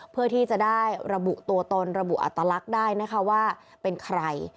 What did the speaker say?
เพื่อที่จะได้ระบุตัวตนระบุอัตลักษณ์ได้นะคะว่าเป็นใคร